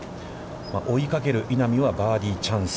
追いかける稲見はバーディーチャンス。